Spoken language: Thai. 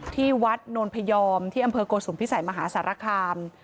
ที่วัดโนนพยอมที่อำเภอโกสุมพิสัยมหาสารคาม